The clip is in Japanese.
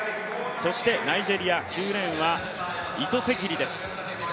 ナイジェリア、９レーンはイトセキリです。